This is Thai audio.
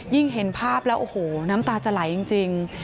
เห็นภาพแล้วโอ้โหน้ำตาจะไหลจริง